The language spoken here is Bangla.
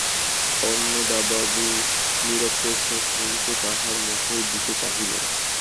অন্নদাবাবু নীরব প্রশ্নের সহিত তাহার মুখের দিকে চাহিলেন।